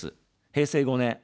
平成５年。